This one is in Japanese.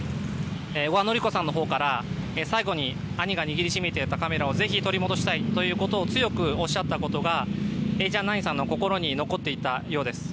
小川典子さんから最後に兄が握りしめていたカメラをぜひ取り戻したいということを強くおっしゃったことがエーチャンナインさんの心に残っていたようです。